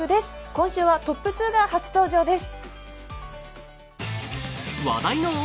今週はトップ２が初登場です。